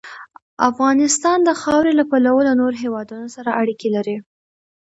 افغانستان د خاوره له پلوه له نورو هېوادونو سره اړیکې لري.